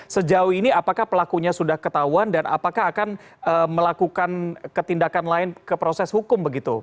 sejauh ini apakah pelakunya sudah ketahuan dan apakah akan melakukan ketindakan lain ke proses hukum begitu